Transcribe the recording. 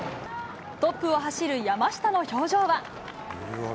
トップを走る山下の表情は。